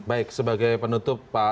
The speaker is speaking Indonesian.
baik sebagai penutup pak